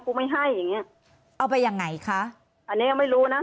ไม่ให้อย่างเงี้ยเอาไปยังไงคะอันนี้ยังไม่รู้นะ